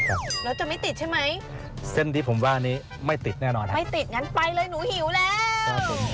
โอ้ดูเหมือนง่ายเลยเนอะเราจะไม่ติดใช่ไหม